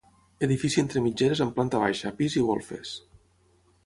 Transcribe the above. Edifici entre mitgeres amb planta baixa, pis i golfes.